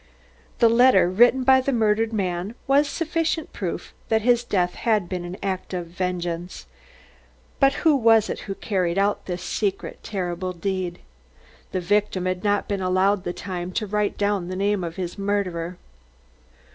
The letter written by the murdered man was sufficient proof that his death had been an act of vengeance. But who was it who had carried out this secret, terrible deed? The victim had not been allowed the time to write down the name of his murderer.